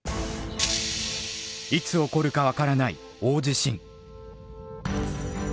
いつ起こるか分からない大地震。